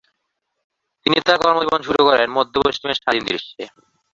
তিনি তার কর্মজীবন শুরু করেন মধ্য-পশ্চিমের স্বাধীন দৃশ্যে।